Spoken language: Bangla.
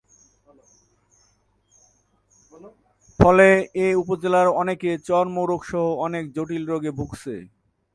ফলে এ উপজেলার অনেকে চর্ম রোগসহ অনেক জটিল রোগে ভুগছে।